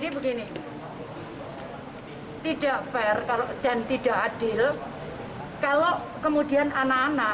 mereka belum mengerti apapun